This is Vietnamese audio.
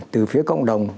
từ phía cộng đồng